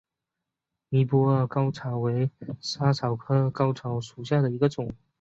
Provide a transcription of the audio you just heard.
尼泊尔嵩草为莎草科嵩草属下的一个种。